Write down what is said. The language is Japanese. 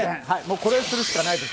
これするしかないです。